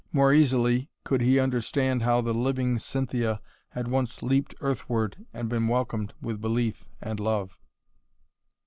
More easily could he understand how the living Cynthia had once leaped earthward and been welcomed with belief and love.